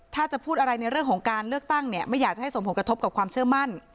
ถ้าจะพูดอะไรในเรื่องของการเลือกตั้งเนี่ยไม่อยากจะให้สมผงกระทบกับความเชื่อมั่น